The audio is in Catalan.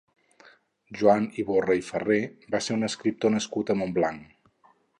Joan Iborra i Farré va ser un escriptor nascut a Montblanc.